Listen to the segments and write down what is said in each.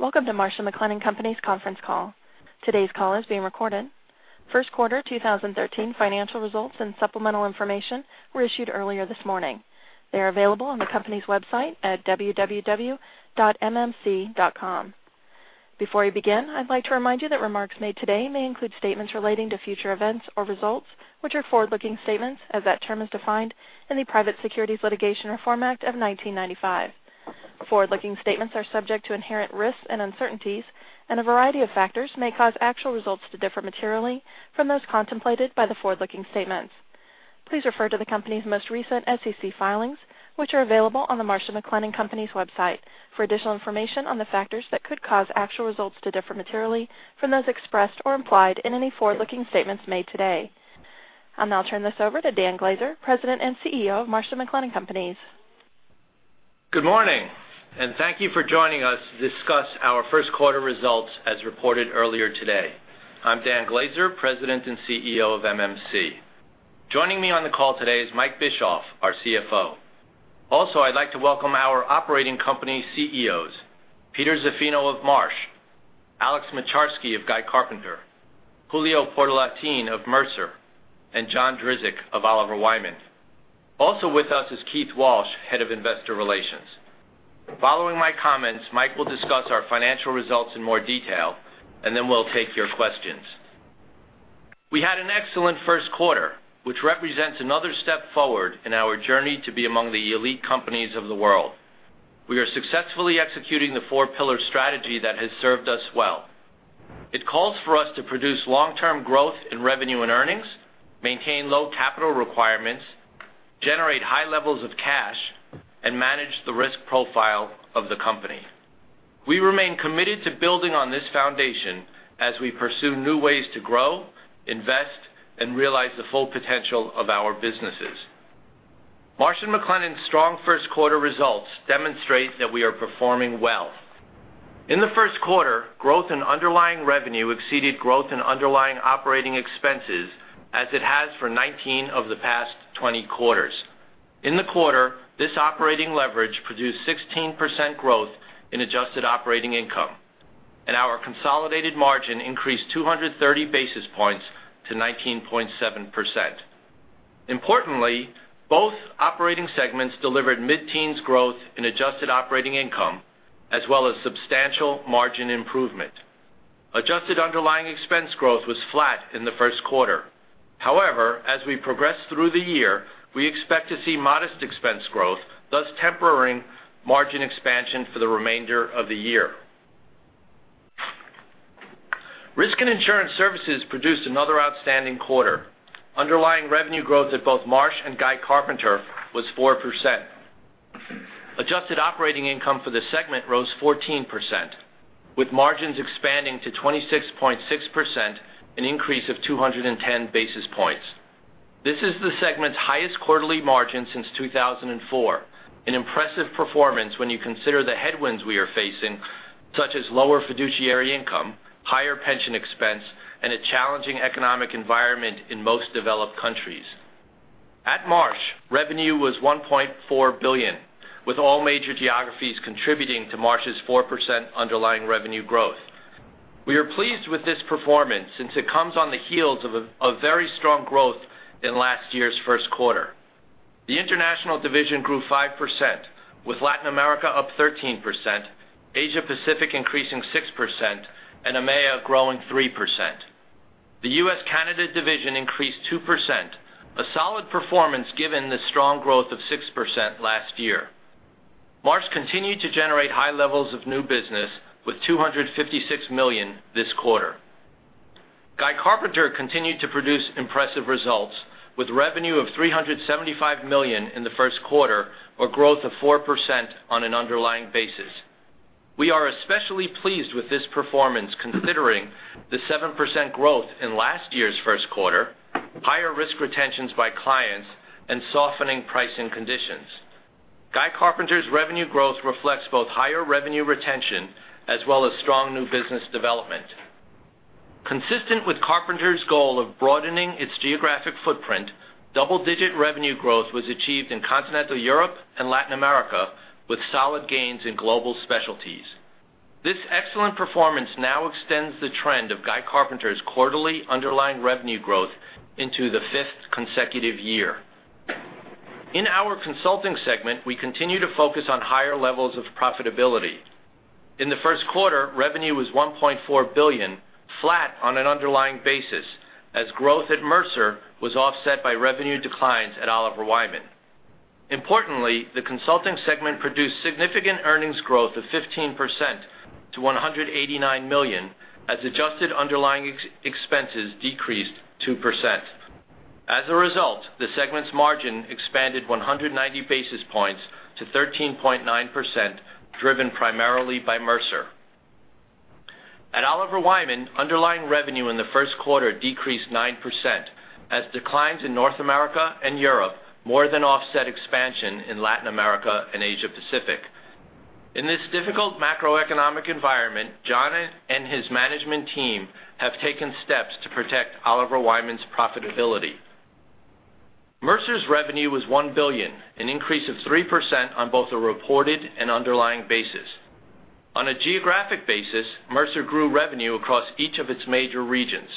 Welcome to Marsh & McLennan Companies conference call. Today's call is being recorded. First quarter 2013 financial results and supplemental information were issued earlier this morning. They are available on the company's website at www.mmc.com. Before we begin, I'd like to remind you that remarks made today may include statements relating to future events or results, which are forward-looking statements as that term is defined in the Private Securities Litigation Reform Act of 1995. Forward-looking statements are subject to inherent risks and uncertainties, and a variety of factors may cause actual results to differ materially from those contemplated by the forward-looking statements. Please refer to the company's most recent SEC filings, which are available on the Marsh & McLennan Companies website for additional information on the factors that could cause actual results to differ materially from those expressed or implied in any forward-looking statements made today. I'll now turn this over to Dan Glaser, President and CEO of Marsh & McLennan Companies. Good morning, thank you for joining us to discuss our first quarter results as reported earlier today. I'm Dan Glaser, President and CEO of MMC. Joining me on the call today is Mike Bischoff, our CFO. Also, I'd like to welcome our operating company CEOs, Peter Zaffino of Marsh, Alex Moczarski of Guy Carpenter, Julio Portalatin of Mercer, and John Drzik of Oliver Wyman. Also with us is Keith Walsh, Head of Investor Relations. Following my comments, Mike will discuss our financial results in more detail, then we'll take your questions. We had an excellent first quarter, which represents another step forward in our journey to be among the elite companies of the world. We are successfully executing the four pillar strategy that has served us well. It calls for us to produce long-term growth in revenue and earnings, maintain low capital requirements, generate high levels of cash, and manage the risk profile of the company. We remain committed to building on this foundation as we pursue new ways to grow, invest, and realize the full potential of our businesses. Marsh & McLennan's strong first quarter results demonstrate that we are performing well. In the first quarter, growth in underlying revenue exceeded growth in underlying operating expenses as it has for 19 of the past 20 quarters. In the quarter, this operating leverage produced 16% growth in adjusted operating income, our consolidated margin increased 230 basis points to 19.7%. Importantly, both operating segments delivered mid-teens growth in adjusted operating income, as well as substantial margin improvement. Adjusted underlying expense growth was flat in the first quarter. However, as we progress through the year, we expect to see modest expense growth, thus tempering margin expansion for the remainder of the year. Risk and Insurance Services produced another outstanding quarter. Underlying revenue growth at both Marsh & Guy Carpenter was 4%. Adjusted operating income for the segment rose 14%, with margins expanding to 26.6%, an increase of 210 basis points. This is the segment's highest quarterly margin since 2004, an impressive performance when you consider the headwinds we are facing, such as lower fiduciary income, higher pension expense, and a challenging economic environment in most developed countries. At Marsh, revenue was $1.4 billion, with all major geographies contributing to Marsh's 4% underlying revenue growth. We are pleased with this performance since it comes on the heels of a very strong growth in last year's first quarter. The international division grew 5%, with Latin America up 13%, Asia-Pacific increasing 6%, and EMEIA growing 3%. The U.S.-Canada division increased 2%, a solid performance given the strong growth of 6% last year. Marsh continued to generate high levels of new business with $256 million this quarter. Guy Carpenter continued to produce impressive results with revenue of $375 million in the first quarter, or growth of 4% on an underlying basis. We are especially pleased with this performance considering the 7% growth in last year's first quarter, higher risk retentions by clients, and softening pricing conditions. Guy Carpenter's revenue growth reflects both higher revenue retention as well as strong new business development. Consistent with Carpenter's goal of broadening its geographic footprint, double-digit revenue growth was achieved in continental Europe and Latin America with solid gains in global specialties. This excellent performance now extends the trend of Guy Carpenter's quarterly underlying revenue growth into the fifth consecutive year. In our Consulting segment, we continue to focus on higher levels of profitability. In the first quarter, revenue was $1.4 billion, flat on an underlying basis, as growth at Mercer was offset by revenue declines at Oliver Wyman. Importantly, the Consulting segment produced significant earnings growth of 15% to $189 million as adjusted underlying expenses decreased 2%. As a result, the segment's margin expanded 190 basis points to 13.9%, driven primarily by Mercer. At Oliver Wyman, underlying revenue in the first quarter decreased 9% as declines in North America and Europe more than offset expansion in Latin America and Asia-Pacific. In this difficult macroeconomic environment, John and his management team have taken steps to protect Oliver Wyman's profitability. Mercer's revenue was $1 billion, an increase of 3% on both a reported and underlying basis. On a geographic basis, Mercer grew revenue across each of its major regions.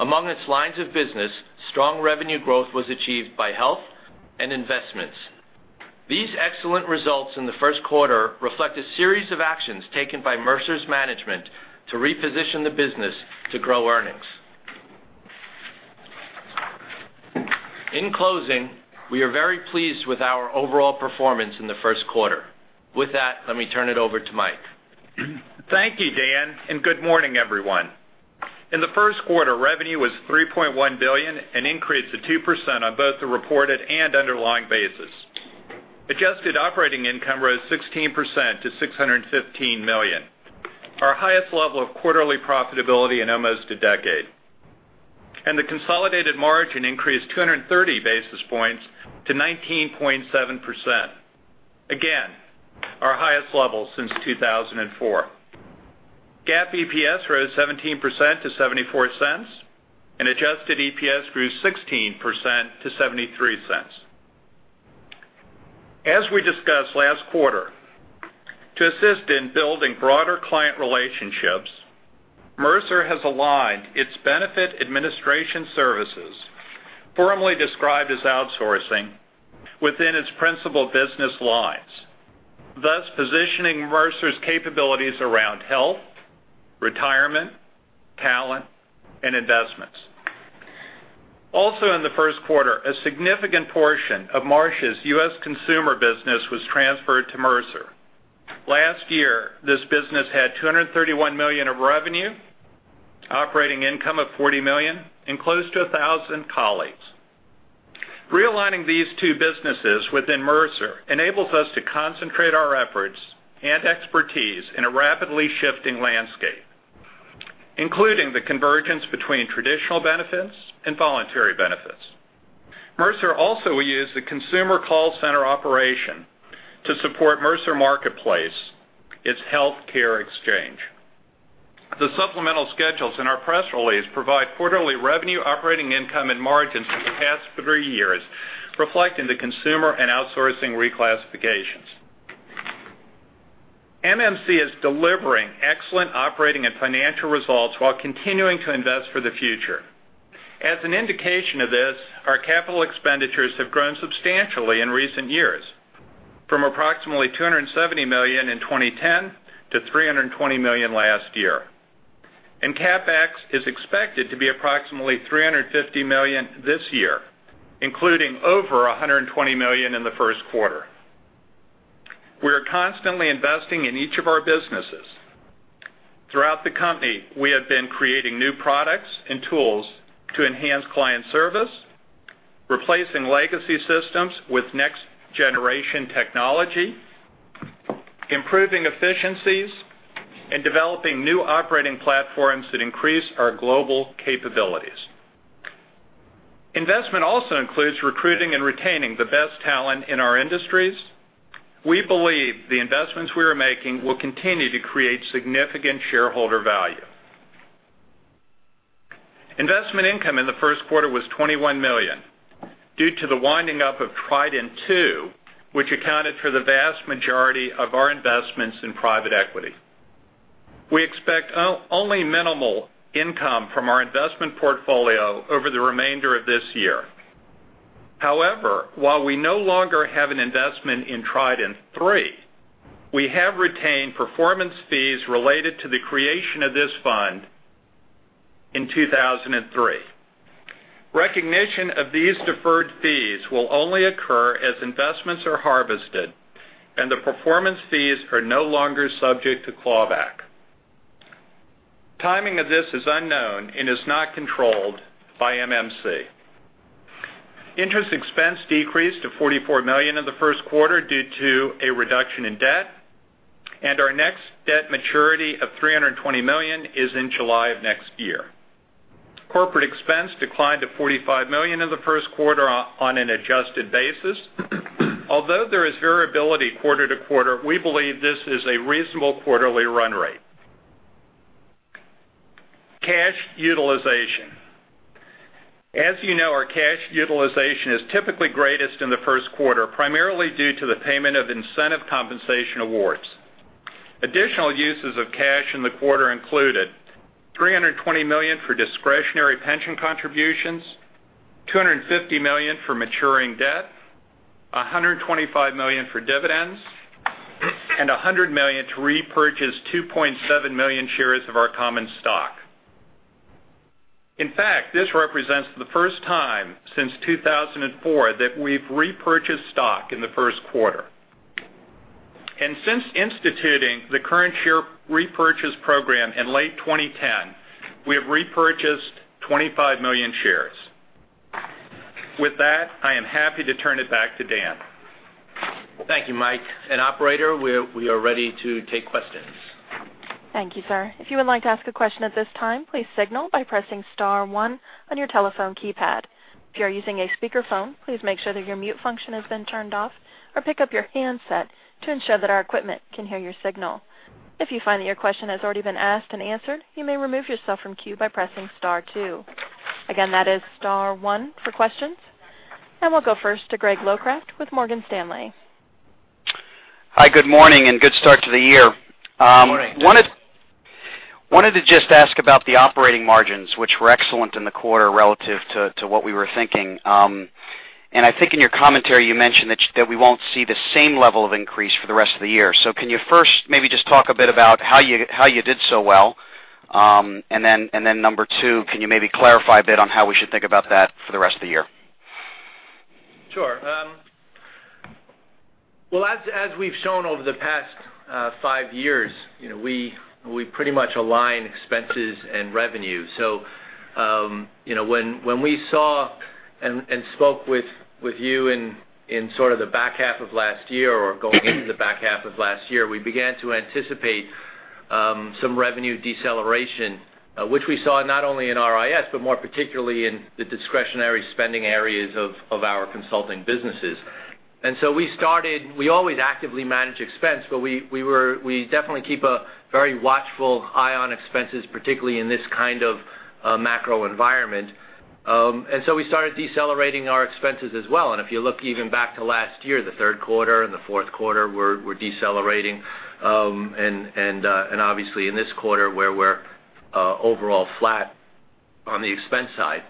Among its lines of business, strong revenue growth was achieved by health and investments. These excellent results in the first quarter reflect a series of actions taken by Mercer's management to reposition the business to grow earnings. In closing, we are very pleased with our overall performance in the first quarter. With that, let me turn it over to Mike. Thank you, Dan, and good morning, everyone. In the first quarter, revenue was $3.1 billion, an increase of 2% on both the reported and underlying basis. Adjusted operating income rose 16% to $615 million, our highest level of quarterly profitability in almost a decade. The consolidated margin increased 230 basis points to 19.7%. Again, our highest level since 2004. GAAP EPS rose 17% to $0.74, and adjusted EPS grew 16% to $0.73. As we discussed last quarter, to assist in building broader client relationships, Mercer has aligned its benefit administration services, formerly described as outsourcing, within its principal business lines, thus positioning Mercer's capabilities around health, retirement, talent, and investments. Also in the first quarter, a significant portion of Marsh's U.S. consumer business was transferred to Mercer. Last year, this business had $231 million of revenue, operating income of $40 million, and close to 1,000 colleagues. Realigning these two businesses within Mercer enables us to concentrate our efforts and expertise in a rapidly shifting landscape, including the convergence between traditional benefits and voluntary benefits. Mercer also will use the consumer call center operation to support Mercer Marketplace, its healthcare exchange. The supplemental schedules in our press release provide quarterly revenue, operating income, and margins for the past three years, reflecting the consumer and outsourcing reclassifications. MMC is delivering excellent operating and financial results while continuing to invest for the future. As an indication of this, our capital expenditures have grown substantially in recent years, from approximately $270 million in 2010 to $320 million last year. CapEx is expected to be approximately $350 million this year, including over $120 million in the first quarter. We are constantly investing in each of our businesses. Throughout the company, we have been creating new products and tools to enhance client service, replacing legacy systems with next-generation technology, improving efficiencies, and developing new operating platforms that increase our global capabilities. Investment also includes recruiting and retaining the best talent in our industries. We believe the investments we are making will continue to create significant shareholder value. Investment income in the first quarter was $21 million due to the winding up of Trident II, which accounted for the vast majority of our investments in private equity. We expect only minimal income from our investment portfolio over the remainder of this year. However, while we no longer have an investment in Trident III, we have retained performance fees related to the creation of this fund in 2003. Recognition of these deferred fees will only occur as investments are harvested, and the performance fees are no longer subject to clawback. Timing of this is unknown and is not controlled by MMC. Interest expense decreased to $44 million in the first quarter due to a reduction in debt, and our next debt maturity of $320 million is in July of next year. Corporate expense declined to $45 million in the first quarter on an adjusted basis. Although there is variability quarter to quarter, we believe this is a reasonable quarterly run rate. Cash utilization. As you know, our cash utilization is typically greatest in the first quarter, primarily due to the payment of incentive compensation awards. Additional uses of cash in the quarter included $320 million for discretionary pension contributions, $250 million for maturing debt, $125 million for dividends, and $100 million to repurchase 2.7 million shares of our common stock. In fact, this represents the first time since 2004 that we've repurchased stock in the first quarter. Since instituting the current share repurchase program in late 2010, we have repurchased 25 million shares. With that, I am happy to turn it back to Dan. Thank you, Mike. Operator, we are ready to take questions. Thank you, sir. If you would like to ask a question at this time, please signal by pressing star one on your telephone keypad. If you are using a speakerphone, please make sure that your mute function has been turned off, or pick up your handset to ensure that our equipment can hear your signal. If you find that your question has already been asked and answered, you may remove yourself from queue by pressing star two. Again, that is star one for questions. We'll go first to Greg Locraft with Morgan Stanley. Hi, good morning, and good start to the year. Good morning. Wanted to just ask about the operating margins, which were excellent in the quarter relative to what we were thinking. I think in your commentary you mentioned that we won't see the same level of increase for the rest of the year. Can you first maybe just talk a bit about how you did so well? Number 2, can you maybe clarify a bit on how we should think about that for the rest of the year? Sure. Well, as we've shown over the past 5 years, we pretty much align expenses and revenue. When we saw and spoke with you in sort of the back half of last year or going into the back half of last year, we began to anticipate some revenue deceleration, which we saw not only in RIS, but more particularly in the discretionary spending areas of our consulting businesses. We always actively manage expense, but we definitely keep a very watchful eye on expenses, particularly in this kind of macro environment. We started decelerating our expenses as well. If you look even back to last year, the third quarter and the fourth quarter were decelerating. Obviously in this quarter, where we're overall flat on the expense side.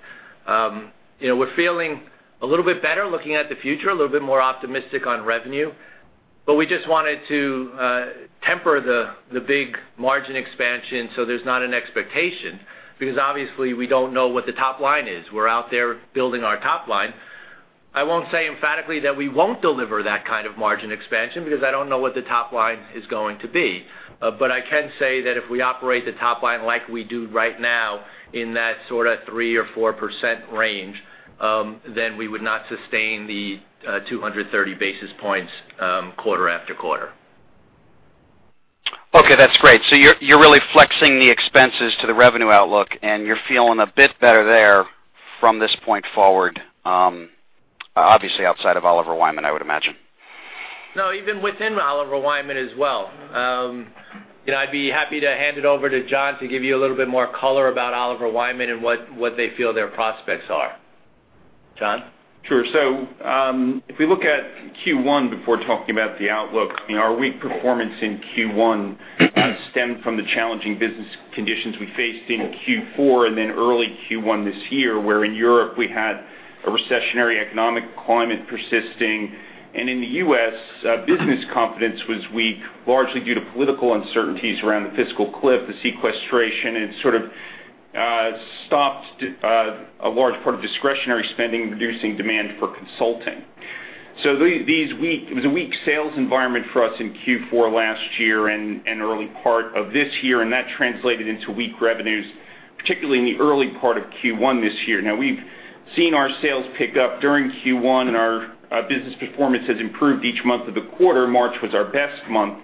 We're feeling a little bit better looking at the future, a little bit more optimistic on revenue, but we just wanted to temper the big margin expansion so there's not an expectation, because obviously we don't know what the top line is. We're out there building our top line. I won't say emphatically that we won't deliver that kind of margin expansion, because I don't know what the top line is going to be. I can say that if we operate the top line like we do right now, in that sort of 3% or 4% range, we would not sustain the 230 basis points, quarter after quarter. Okay, that's great. You're really flexing the expenses to the revenue outlook, and you're feeling a bit better there from this point forward, obviously outside of Oliver Wyman, I would imagine. No, even within Oliver Wyman as well. I'd be happy to hand it over to John to give you a little bit more color about Oliver Wyman and what they feel their prospects are. John? Sure. If we look at Q1 before talking about the outlook, our weak performance in Q1 stemmed from the challenging business conditions we faced in Q4 and then early Q1 this year, where in Europe we had a recessionary economic climate persisting. In the U.S., business confidence was weak, largely due to political uncertainties around the fiscal cliff, the sequestration, and sort of stopped a large part of discretionary spending, reducing demand for consulting. It was a weak sales environment for us in Q4 last year and early part of this year, and that translated into weak revenues, particularly in the early part of Q1 this year. Now we've seen our sales pick up during Q1, and our business performance has improved each month of the quarter. March was our best month.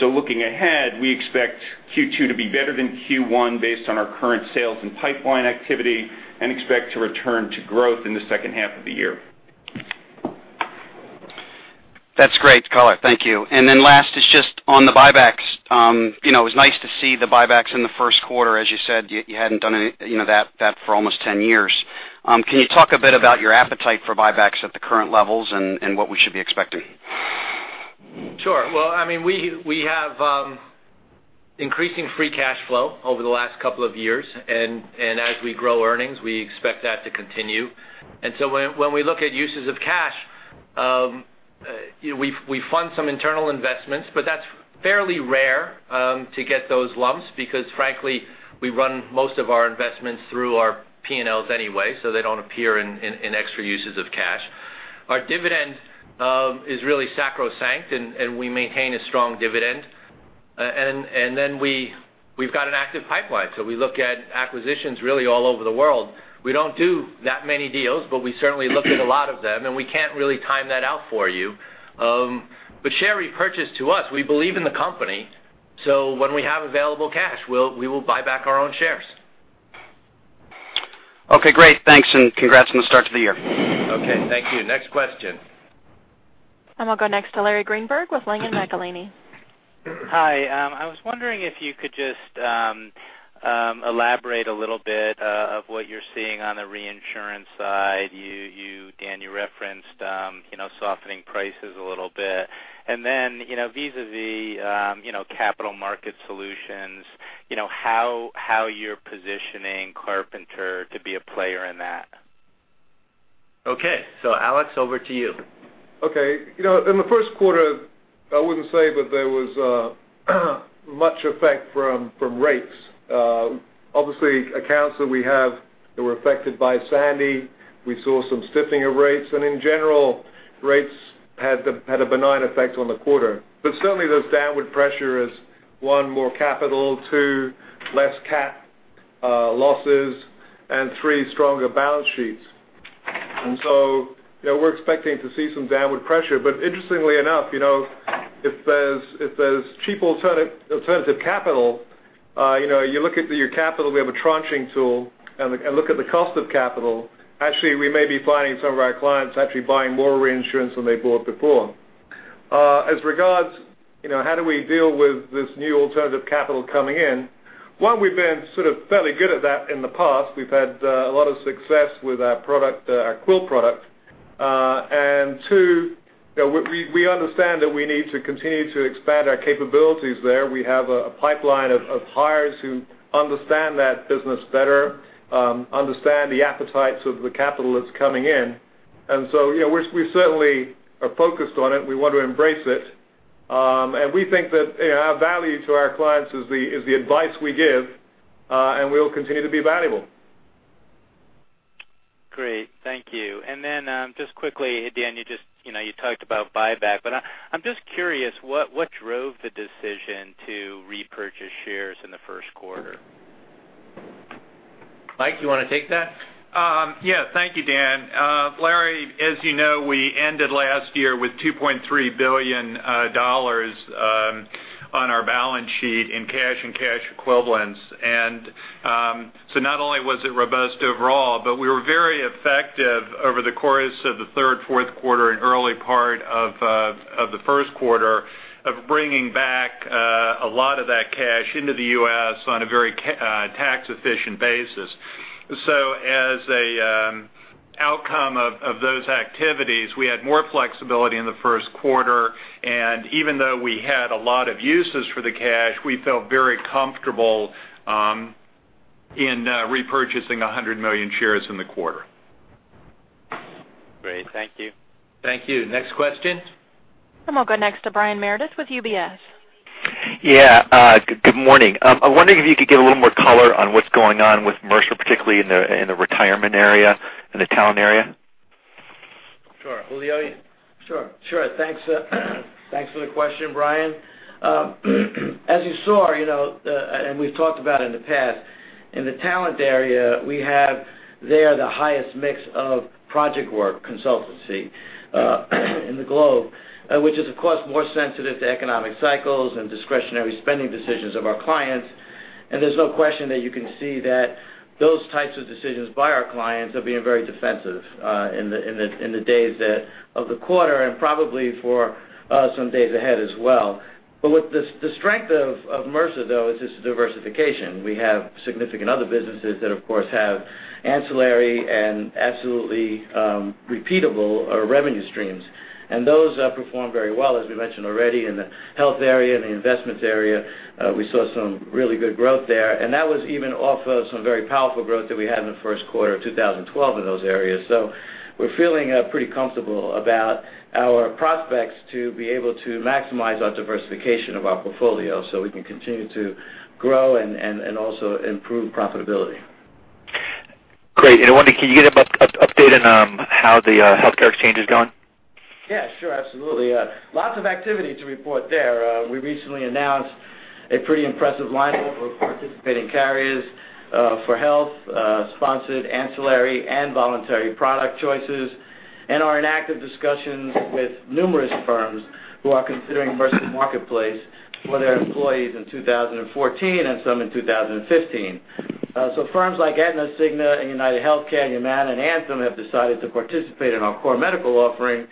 Looking ahead, we expect Q2 to be better than Q1 based on our current sales and pipeline activity, and expect to return to growth in the second half of the year. That's great color. Thank you. Last is just on the buybacks. It was nice to see the buybacks in the first quarter. As you said, you hadn't done that for almost 10 years. Can you talk a bit about your appetite for buybacks at the current levels and what we should be expecting? Sure. Well, we have increasing free cash flow over the last couple of years, and as we grow earnings, we expect that to continue. When we look at uses of cash, we fund some internal investments, but that's fairly rare to get those lumps because frankly, we run most of our investments through our P&Ls anyway, so they don't appear in extra uses of cash. Our dividend is really sacrosanct, and we maintain a strong dividend. We've got an active pipeline. We look at acquisitions really all over the world. We don't do that many deals, but we certainly look at a lot of them, and we can't really time that out for you. Share repurchase to us, we believe in the company, so when we have available cash, we will buy back our own shares. Okay, great. Thanks, and congrats on the start to the year. Okay. Thank you. Next question. We'll go next to Larry Greenberg with Langen McAlenney. Hi. I was wondering if you could just elaborate a little bit of what you're seeing on the reinsurance side. Dan Glaser, you referenced softening prices a little bit. Then, vis-a-vis capital market solutions, how you're positioning Carpenter to be a player in that. Okay. Alex Moczarski, over to you. Okay. In the first quarter, I wouldn't say that there was much effect from rates. Obviously, accounts that we have that were affected by Sandy, we saw some stiffening of rates. In general, rates had a benign effect on the quarter. Certainly, those downward pressure is one, more capital, two, less cat losses, and three, stronger balance sheets. We're expecting to see some downward pressure, but interestingly enough if there's cheap alternative capital, you look at your capital, we have a tranching tool, and look at the cost of capital. Actually, we may be finding some of our clients actually buying more reinsurance than they bought before. As regards, how do we deal with this new alternative capital coming in? One, we've been fairly good at that in the past. We've had a lot of success with our Quill product. Two, we understand that we need to continue to expand our capabilities there. We have a pipeline of hires who understand that business better, understand the appetites of the capital that's coming in. We certainly are focused on it. We want to embrace it. We think that our value to our clients is the advice we give, and we'll continue to be valuable. Great. Thank you. Just quickly, Dan, you talked about buyback, but I'm just curious, what drove the decision to repurchase shares in the first quarter? Mike, you want to take that? Yeah. Thank you, Dan. Larry, as you know, we ended last year with $2.3 billion on our balance sheet in cash and cash equivalents. Not only was it robust overall, but we were very effective over the course of the third, fourth quarter, and early part of the first quarter, of bringing back a lot of that cash into the U.S. on a very tax-efficient basis. As a outcome of those activities, we had more flexibility in the first quarter. Even though we had a lot of uses for the cash, we felt very comfortable, in repurchasing 2.7 Million shares in the quarter. Great. Thank you. Thank you. Next question? We'll go next to Brian Meredith with UBS. Yeah, good morning. I'm wondering if you could give a little more color on what's going on with Mercer, particularly in the retirement area and the talent area. Sure. Julio? Sure. Thanks for the question, Brian. As you saw, and we've talked about in the past, in the talent area, we have there the highest mix of project work consultancy in the globe, which is, of course, more sensitive to economic cycles and discretionary spending decisions of our clients. There's no question that you can see that those types of decisions by our clients are being very defensive in the days of the quarter and probably for some days ahead as well. The strength of Mercer, though, is just diversification. We have significant other businesses that, of course, have ancillary and absolutely repeatable revenue streams. Those performed very well, as we mentioned already, in the health area, the investments area. We saw some really good growth there, and that was even off of some very powerful growth that we had in the first quarter of 2012 in those areas. We're feeling pretty comfortable about our prospects to be able to maximize our diversification of our portfolio so we can continue to grow and also improve profitability. Great. I wonder, can you give us an update on how the healthcare exchange is going? Yeah, sure. Absolutely. Lots of activity to report there. We recently announced a pretty impressive lineup of participating carriers, for health, sponsored ancillary and voluntary product choices, and are in active discussions with numerous firms who are considering Mercer Marketplace for their employees in 2014 and some in 2015. Firms like Aetna, Cigna, and UnitedHealthcare, Humana and Anthem, have decided to participate in our core medical offering,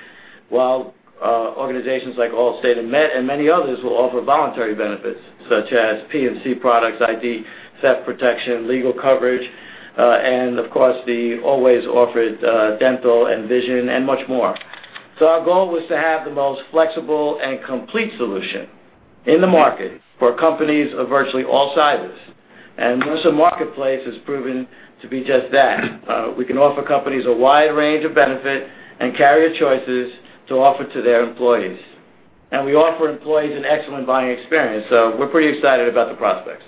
while organizations like Allstate and MetLife and many others will offer voluntary benefits such as P&C products, ID theft protection, legal coverage, and of course, the always offered dental and vision and much more. Our goal was to have the most flexible and complete solution in the market for companies of virtually all sizes. Mercer Marketplace has proven to be just that. We can offer companies a wide range of benefit and carrier choices to offer to their employees. We offer employees an excellent buying experience, so we're pretty excited about the prospects.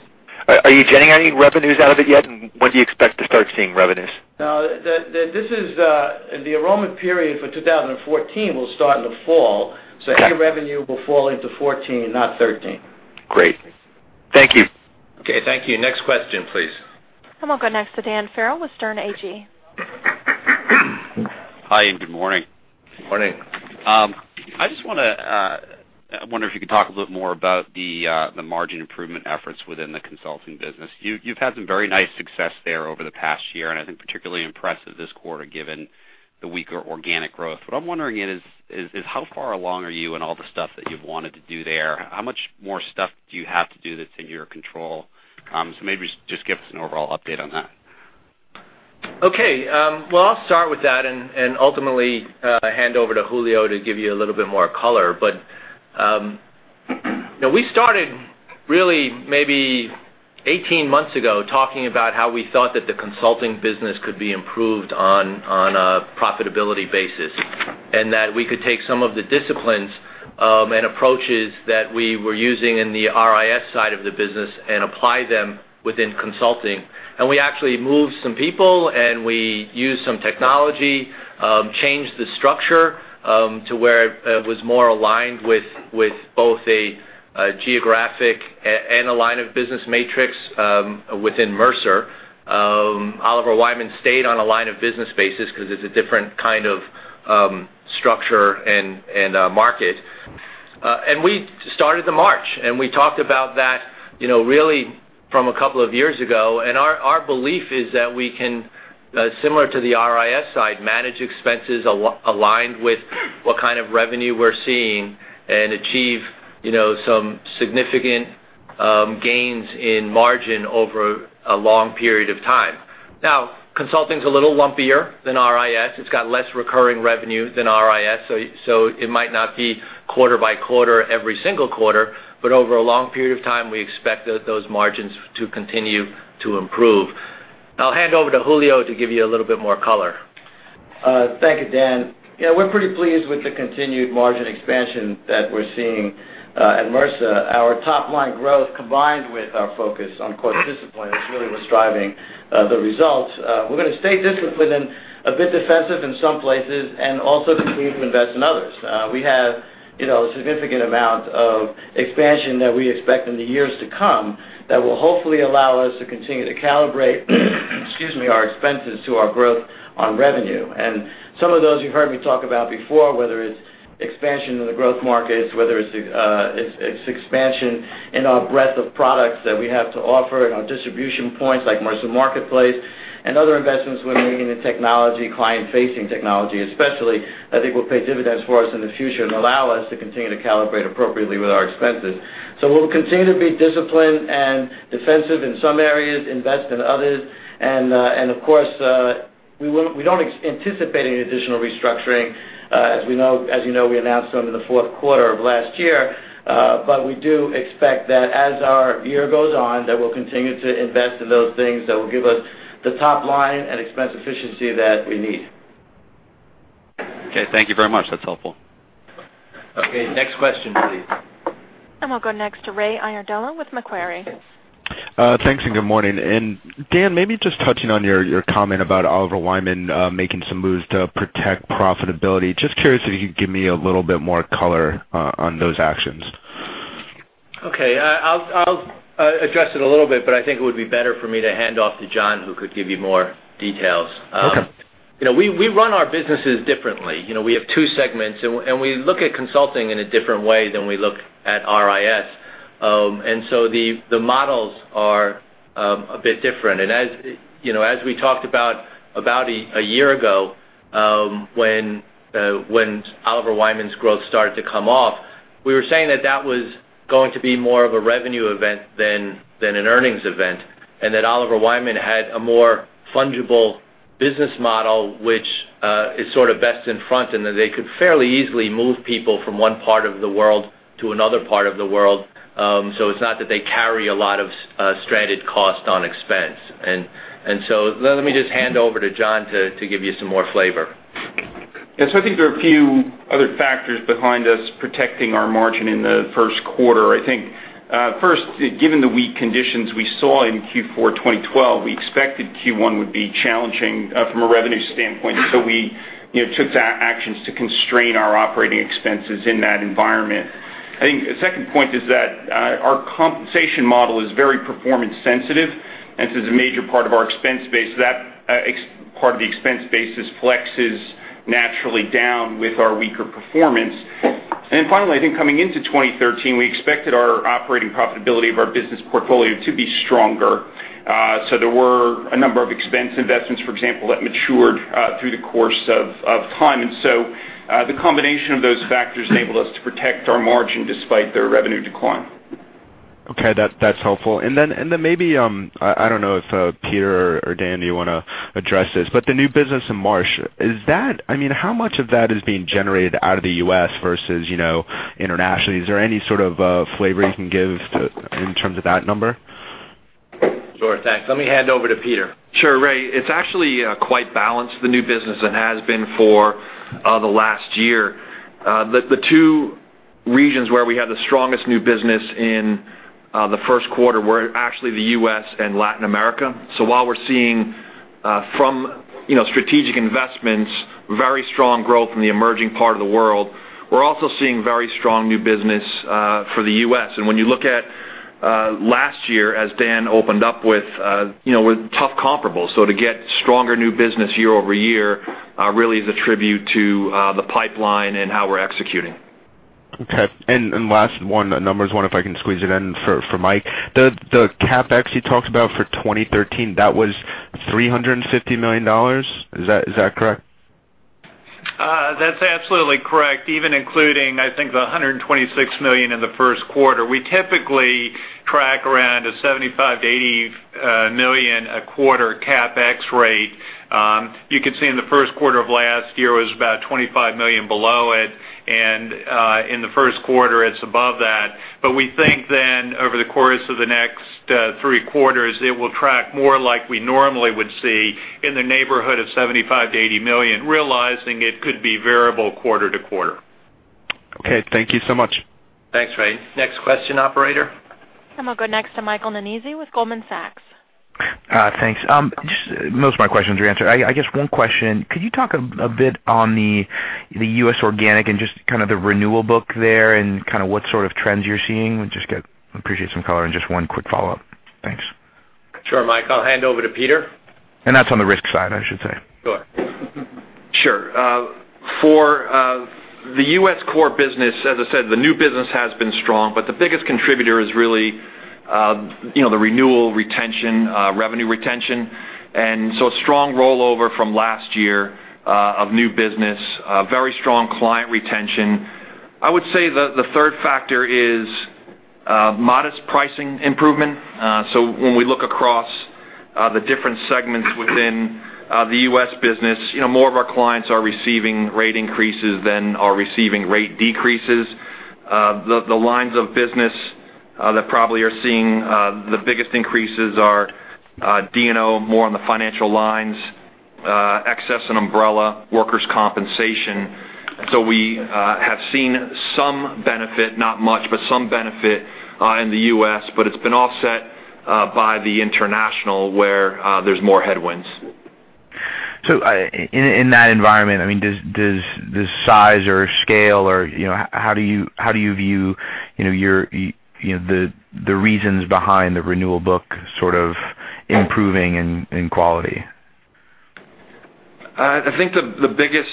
Are you generating any revenues out of it yet? When do you expect to start seeing revenues? No. The enrollment period for 2014 will start in the fall. Okay. Any revenue will fall into 2014, not 2013. Great. Thank you. Okay. Thank you. Next question, please. We'll go next to Dan Farrell with Sterne Agee. Hi, good morning. Good morning. I just wonder if you could talk a little bit more about the margin improvement efforts within the consulting business. You've had some very nice success there over the past year, and I think particularly impressive this quarter, given the weaker organic growth. What I'm wondering is how far along are you in all the stuff that you've wanted to do there? How much more stuff do you have to do that's in your control? Maybe just give us an overall update on that. Okay. Well, I'll start with that and ultimately, hand over to Julio to give you a little bit more color. We started really maybe 18 months ago talking about how we thought that the consulting business could be improved on a profitability basis, and that we could take some of the disciplines and approaches that we were using in the RIS side of the business and apply them within consulting. We actually moved some people, and we used some technology, changed the structure, to where it was more aligned with both a geographic and a line of business matrix within Mercer. Oliver Wyman stayed on a line of business basis because it's a different kind of structure and market. We started the march, and we talked about that really from a couple of years ago. Our belief is that we can Similar to the RIS side, manage expenses aligned with what kind of revenue we're seeing and achieve some significant gains in margin over a long period of time. Consulting is a little lumpier than RIS. It's got less recurring revenue than RIS, so it might not be quarter by quarter every single quarter, but over a long period of time, we expect those margins to continue to improve. I'll hand over to Julio to give you a little bit more color. Thank you, Dan. We're pretty pleased with the continued margin expansion that we're seeing at Mercer. Our top-line growth combined with our focus on cost discipline is really what's driving the results. We're going to stay disciplined and a bit defensive in some places and also continue to invest in others. We have a significant amount of expansion that we expect in the years to come that will hopefully allow us to continue to calibrate our expenses to our growth on revenue. Some of those you've heard me talk about before, whether it's expansion in the growth markets, whether it's expansion in our breadth of products that we have to offer and our distribution points like Mercer Marketplace and other investments we're making in technology, client-facing technology especially, I think will pay dividends for us in the future and allow us to continue to calibrate appropriately with our expenses. We'll continue to be disciplined and defensive in some areas, invest in others, and of course, we don't anticipate any additional restructuring. As you know, we announced some in the fourth quarter of last year, but we do expect that as our year goes on, that we'll continue to invest in those things that will give us the top line and expense efficiency that we need. Thank you very much. That's helpful. Okay, next question, please. We'll go next to Ray Iardella with Macquarie. Thanks, good morning. Dan, maybe just touching on your comment about Oliver Wyman making some moves to protect profitability. Just curious if you could give me a little bit more color on those actions. Okay. I'll address it a little bit, but I think it would be better for me to hand off to John, who could give you more details. Okay. We run our businesses differently. We have two segments, and we look at consulting in a different way than we look at RIS. The models are a bit different. As we talked about a year ago, when Oliver Wyman's growth started to come off, we were saying that that was going to be more of a revenue event than an earnings event, and that Oliver Wyman had a more fungible business model, which is sort of best in front, and that they could fairly easily move people from one part of the world to another part of the world. It's not that they carry a lot of stranded cost on expense. Let me just hand over to John to give you some more flavor. Yes. I think there are a few other factors behind us protecting our margin in the first quarter. I think, first, given the weak conditions we saw in Q4 2012, we expected Q1 would be challenging from a revenue standpoint. We took actions to constrain our operating expenses in that environment. I think a second point is that our compensation model is very performance sensitive, and this is a major part of our expense base. That part of the expense base flexes naturally down with our weaker performance. Finally, I think coming into 2013, we expected our operating profitability of our business portfolio to be stronger. There were a number of expense investments, for example, that matured through the course of time. The combination of those factors enabled us to protect our margin despite their revenue decline. Okay, that's helpful. Maybe, I don't know if Peter or Dan, do you want to address this, but the new business in Marsh, how much of that is being generated out of the U.S. versus internationally? Is there any sort of flavor you can give in terms of that number? Sure. Thanks. Let me hand over to Peter. Sure, Ray. It's actually quite balanced, the new business, and has been for the last year. The two regions where we had the strongest new business in the first quarter were actually the U.S. and Latin America. While we're seeing from strategic investments, very strong growth in the emerging part of the world, we're also seeing very strong new business for the U.S. When you look at last year, as Dan opened up with tough comparables, to get stronger new business year-over-year really is a tribute to the pipeline and how we're executing. Okay. Last one, a numbers one, if I can squeeze it in for Mike. The CapEx you talked about for 2013, that was $350 million. Is that correct? That's absolutely correct. Even including, I think, the $126 million in the first quarter. We typically track around a $75 million-$80 million a quarter CapEx rate. You could see in the first quarter of last year was about $25 million below it, and in the first quarter, it's above that. We think then over the course of the next three quarters, it will track more like we normally would see in the neighborhood of $75 million-$80 million, realizing it could be variable quarter-to-quarter. Okay, thank you so much. Thanks, Ray. Next question, operator. We'll go next to Michael Nannizzi with Goldman Sachs. Thanks. Most of my questions are answered. I guess one question, could you talk a bit on the U.S. organic and just kind of the renewal book there and kind of what sort of trends you're seeing? Would just appreciate some color and just one quick follow-up. Thanks. Sure, Mike, I'll hand over to Peter. That's on the risk side, I should say. Sure. Sure. For the U.S. core business, as I said, the new business has been strong, but the biggest contributor is really the renewal retention, revenue retention. A strong rollover from last year of new business, very strong client retention. I would say the third factor is modest pricing improvement. When we look across the different segments within the U.S. business, more of our clients are receiving rate increases than are receiving rate decreases. The lines of business that probably are seeing the biggest increases are D&O, more on the financial lines, excess and umbrella, workers' compensation. We have seen some benefit, not much, but some benefit in the U.S., but it's been offset by the international, where there's more headwinds. In that environment, does size or scale or how do you view the reasons behind the renewal book sort of improving in quality? I think the biggest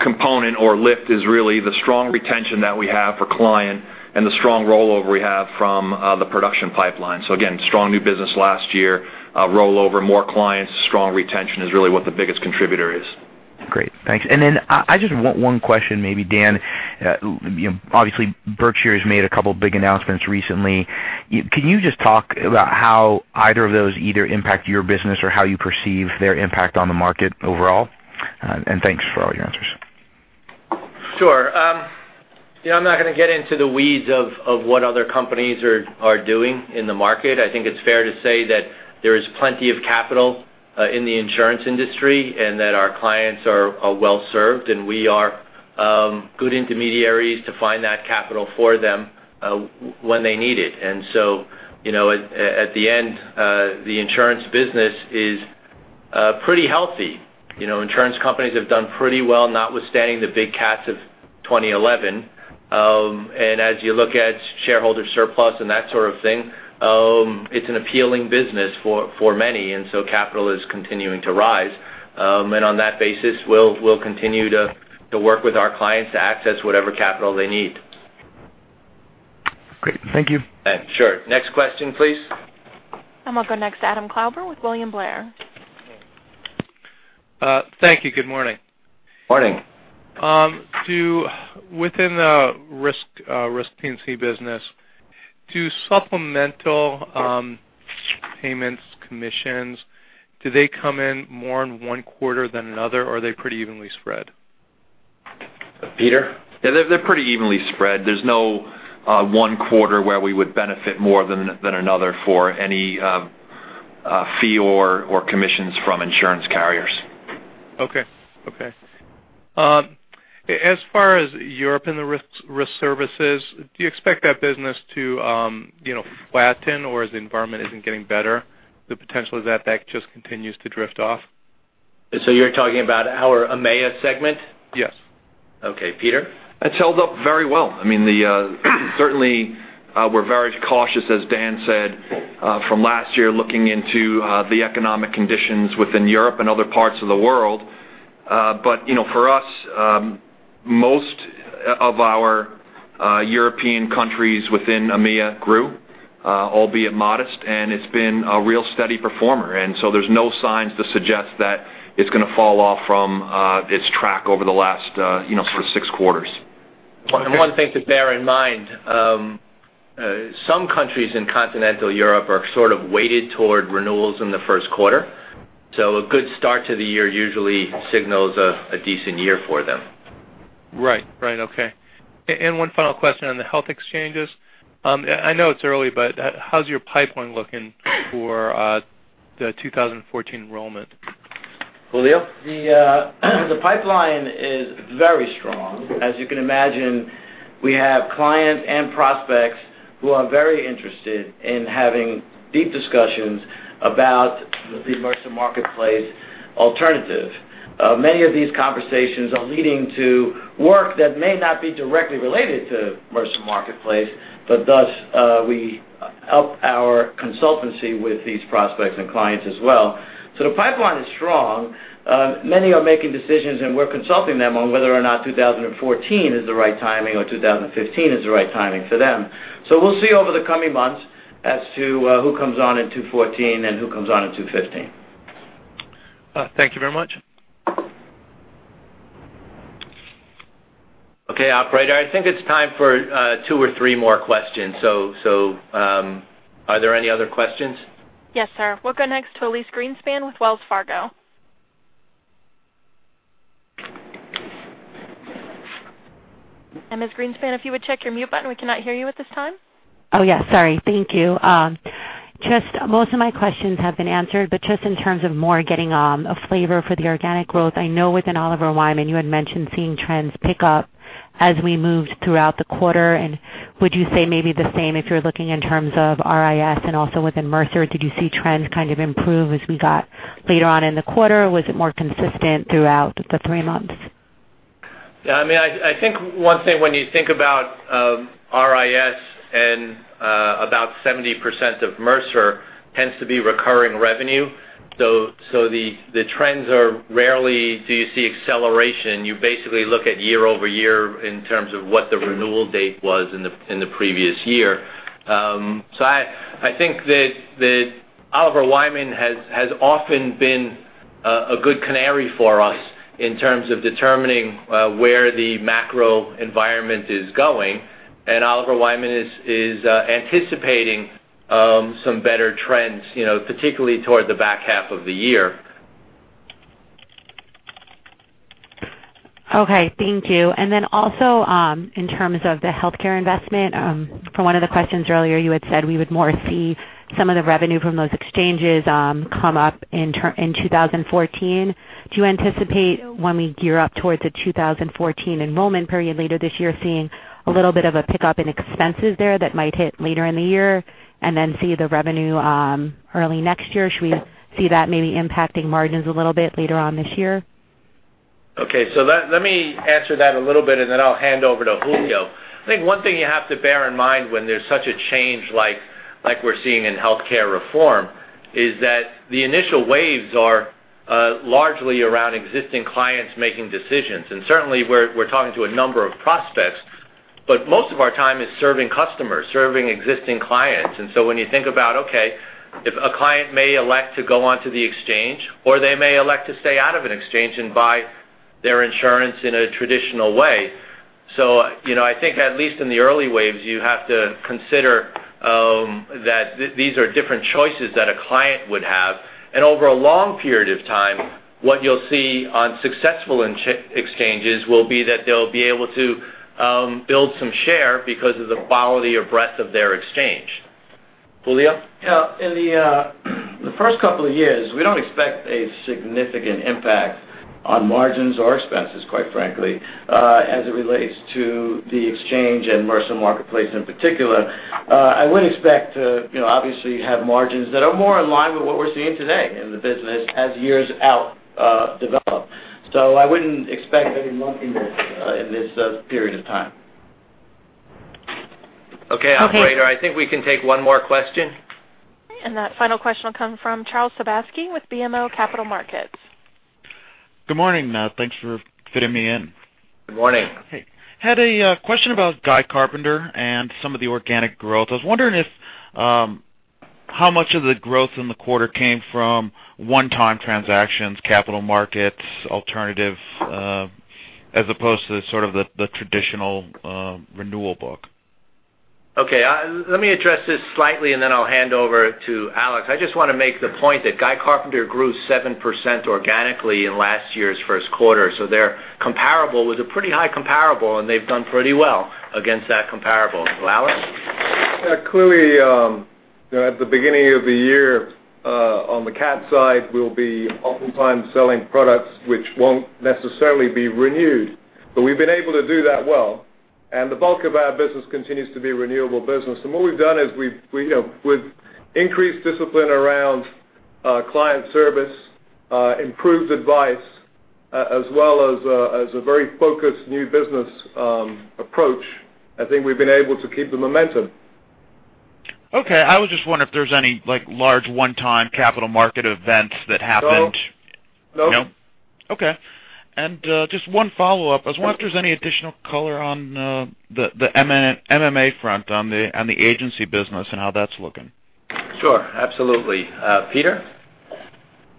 component or lift is really the strong retention that we have for client and the strong rollover we have from the production pipeline. Again, strong new business last year, rollover more clients, strong retention is really what the biggest contributor is. Great, thanks. I just want one question, maybe Dan. Obviously, Berkshire has made a couple big announcements recently. Can you just talk about how either of those either impact your business or how you perceive their impact on the market overall? Thanks for all your answers. Sure. I'm not going to get into the weeds of what other companies are doing in the market. I think it's fair to say that there is plenty of capital in the insurance industry, and that our clients are well-served, and we are good intermediaries to find that capital for them when they need it. At the end, the insurance business is pretty healthy. Insurance companies have done pretty well, notwithstanding the big cats of 2011. As you look at shareholder surplus and that sort of thing, it's an appealing business for many, so capital is continuing to rise. On that basis, we'll continue to work with our clients to access whatever capital they need. Great. Thank you. Sure. Next question, please. We'll go next to Adam Klauber with William Blair. Thank you. Good morning. Morning. Within the risk P&C business, do supplemental payments, commissions, do they come in more in one quarter than another, or are they pretty evenly spread? Peter? Yeah, they're pretty evenly spread. There's no one quarter where we would benefit more than another for any fee or commissions from insurance carriers. Okay. As far as Europe and the risk services, do you expect that business to flatten, or as the environment isn't getting better, the potential is that just continues to drift off? You're talking about our EMEA segment? Yes. Okay, Peter? It's held up very well. Certainly, we're very cautious, as Dan said, from last year, looking into the economic conditions within Europe and other parts of the world. For us, most of our European countries within EMEA grew, albeit modest, and it's been a real steady performer. There's no signs to suggest that it's going to fall off from its track over the last sort of six quarters. One thing to bear in mind, some countries in continental Europe are sort of weighted toward renewals in the first quarter. A good start to the year usually signals a decent year for them. Right. Okay. One final question on the health exchanges. I know it's early, but how's your pipeline looking for the 2014 enrollment? Julio? The pipeline is very strong. As you can imagine, we have clients and prospects who are very interested in having deep discussions about the Mercer Marketplace alternative. Many of these conversations are leading to work that may not be directly related to Mercer Marketplace, but thus we up our consultancy with these prospects and clients as well. The pipeline is strong. Many are making decisions, and we're consulting them on whether or not 2014 is the right timing or 2015 is the right timing for them. We'll see over the coming months as to who comes on in 2014 and who comes on in 2015. Thank you very much. Operator, I think it's time for two or three more questions. Are there any other questions? Yes, sir. We'll go next to Elyse Greenspan with Wells Fargo. Ms. Greenspan, if you would check your mute button, we cannot hear you at this time. Oh, yes. Sorry. Thank you. Most of my questions have been answered, but just in terms of more getting a flavor for the organic growth, I know within Oliver Wyman, you had mentioned seeing trends pick up as we moved throughout the quarter. Would you say maybe the same if you're looking in terms of RIS and also within Mercer? Did you see trends kind of improve as we got later on in the quarter? Was it more consistent throughout the three months? Yeah, I think one thing when you think about RIS and about 70% of Mercer tends to be recurring revenue. Rarely do you see acceleration. You basically look at year-over-year in terms of what the renewal date was in the previous year. I think that Oliver Wyman has often been a good canary for us in terms of determining where the macro environment is going, and Oliver Wyman is anticipating some better trends, particularly toward the back half of the year. Okay, thank you. In terms of the healthcare investment, from one of the questions earlier, you had said we would more see some of the revenue from those exchanges come up in 2014. Do you anticipate when we gear up towards the 2014 enrollment period later this year, seeing a little bit of a pickup in expenses there that might hit later in the year and then see the revenue early next year? Should we see that maybe impacting margins a little bit later on this year? Okay. Let me answer that a little bit, and then I'll hand over to Julio. I think one thing you have to bear in mind when there's such a change like we're seeing in healthcare reform, is that the initial waves are largely around existing clients making decisions. Certainly we're talking to a number of prospects, but most of our time is serving customers, serving existing clients. When you think about, okay, if a client may elect to go onto the exchange, or they may elect to stay out of an exchange and buy their insurance in a traditional way. I think at least in the early waves, you have to consider that these are different choices that a client would have. Over a long period of time, what you'll see on successful exchanges will be that they'll be able to build some share because of the quality or breadth of their exchange. Julio? Yeah. In the first couple of years, we don't expect a significant impact on margins or expenses, quite frankly, as it relates to the exchange and Mercer Marketplace in particular. I would expect to obviously have margins that are more in line with what we're seeing today in the business as years out develop. I wouldn't expect any lumpiness in this period of time. Okay. Operator, I think we can take one more question. That final question will come from Charles Sebaski with BMO Capital Markets. Good morning. Thanks for fitting me in. Good morning. Hey. Had a question about Guy Carpenter and some of the organic growth. I was wondering how much of the growth in the quarter came from one-time transactions, capital markets, alternatives, as opposed to sort of the traditional renewal book. Okay. Let me address this slightly and then I'll hand over to Alex. I just want to make the point that Guy Carpenter grew 7% organically in last year's first quarter. They're comparable with a pretty high comparable, and they've done pretty well against that comparable. Alex? Yeah. Clearly, at the beginning of the year, on the cat side, we'll be oftentimes selling products which won't necessarily be renewed. We've been able to do that well, and the bulk of our business continues to be renewable business. What we've done is with increased discipline around client service, improved advice, as well as a very focused new business approach, I think we've been able to keep the momentum. Okay. I was just wondering if there's any large one-time capital market events that happened. No. No? Okay. Just one follow-up. I was wondering if there's any additional color on the MMA front, on the agency business and how that's looking. Sure, absolutely. Peter?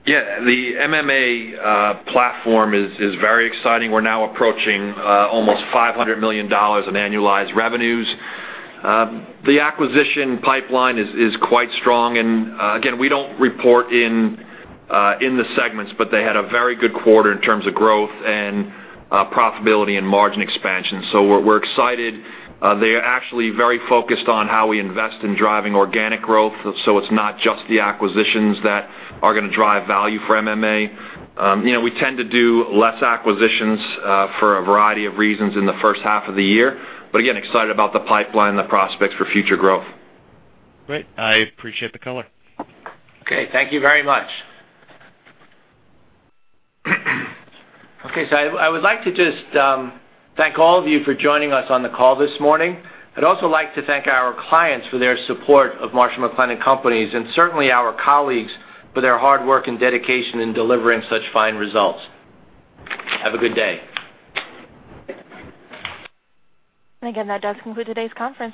Yeah. The MMA platform is very exciting. We're now approaching almost $500 million of annualized revenues. The acquisition pipeline is quite strong, again, we don't report in the segments, but they had a very good quarter in terms of growth and profitability and margin expansion. We're excited. They are actually very focused on how we invest in driving organic growth, so it's not just the acquisitions that are going to drive value for MMA. We tend to do less acquisitions for a variety of reasons in the first half of the year, again, excited about the pipeline and the prospects for future growth. Great. I appreciate the color. Okay. Thank you very much. I would like to just thank all of you for joining us on the call this morning. I'd also like to thank our clients for their support of Marsh & McLennan Companies, and certainly our colleagues for their hard work and dedication in delivering such fine results. Have a good day. Again, that does conclude today's conference.